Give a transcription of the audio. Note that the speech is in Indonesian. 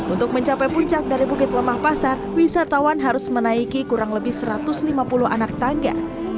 untuk mencapai puncak dari bukit lemah pasar wisatawan harus menaiki kurang lebih satu ratus lima puluh anak tangga